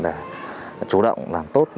để chủ động làm tốt